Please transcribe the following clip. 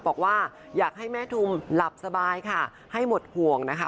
บอกว่าอยากให้แม่ทุมหลับสบายค่ะให้หมดห่วงนะคะ